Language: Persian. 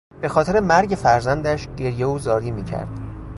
به خاطر مرگ فرزندش گریه و زاری میکرد.